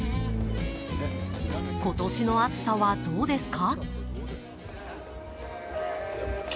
今年の暑さはどうですか？